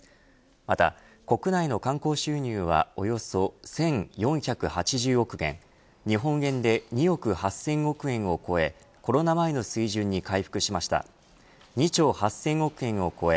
また、国内の観光収入はおよそ１４８０億元日本円で２兆８０００億円を超えコロナ前の水準に回復しました。